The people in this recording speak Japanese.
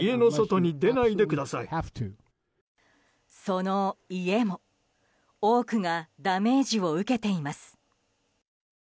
その家も多くがダメージを受けています。